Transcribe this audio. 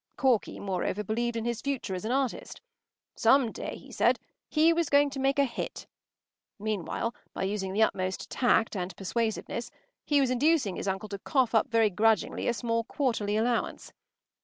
Corky, moreover, believed in his future as an artist. Some day, he said, he was going to make a hit. Meanwhile, by using the utmost tact and persuasiveness, he was inducing his uncle to cough up very grudgingly a small quarterly allowance.